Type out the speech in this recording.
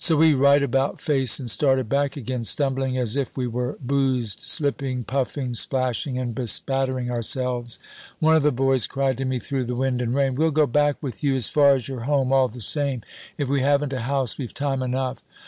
"So we right about face and started back again stumbling as if we were boozed, slipping, puffing, splashing and bespattering ourselves. One of the boys cried to me through the wind and rain, 'We'll go back with you as far as your home, all the same. If we haven't a house we've time enough.'